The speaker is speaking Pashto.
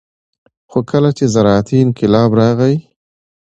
خو کله چې زراعتي انقلاب راغى